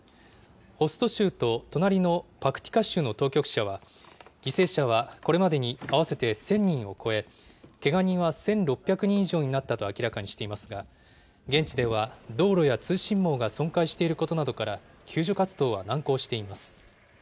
ホスト州と、隣のパクティカ州の当局者は、犠牲者はこれまでに合わせて１０００人を超え、けが人は１６００人以上になったと明らかにしていますが、現地では道路や通信網が損壊していることなどから、救助活動は難航しています。